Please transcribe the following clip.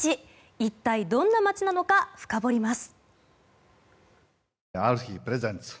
一体どんな町なのか深掘ります。